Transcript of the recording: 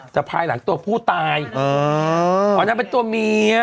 แต่ภายหลังตัวผู้ตายอ๋อนางเป็นตัวเมีย